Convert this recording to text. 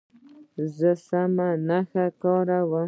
زه سمه نښه کاروم.